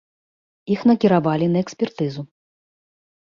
Іх накіравалі на экспертызу.